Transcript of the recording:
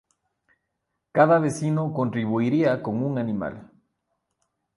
Cada vecino contribuiría con un animal.